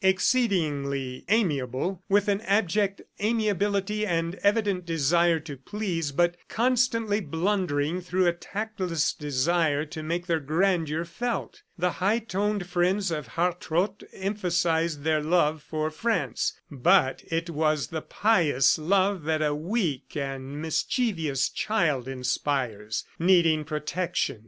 Exceedingly amiable, with an abject amiability and evident desire to please, but constantly blundering through a tactless desire to make their grandeur felt. The high toned friends of Hartrott emphasized their love for France, but it was the pious love that a weak and mischievous child inspires, needing protection.